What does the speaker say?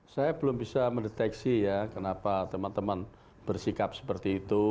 saya belum bisa mendeteksi ya kenapa teman teman bersikap seperti itu